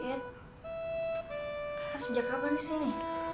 khas sejak kapan di sini